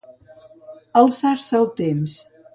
Alçar-se el temps.